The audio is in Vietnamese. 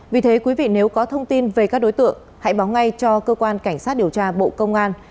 vì thế quý vị nếu có thông tin về các đối tượng hãy báo ngay cho cơ quan cảnh sát điều tra bộ công an